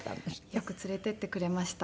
よく連れて行ってくれました。